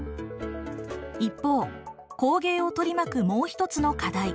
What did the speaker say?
一方工芸を取り巻くもう一つの課題。